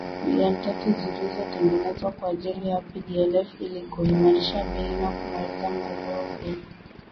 milioni tatu zilizotengwa kwa ajili ya PDLF ili kuimarisha bei na kumaliza mgogoro huo